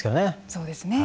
そうですね。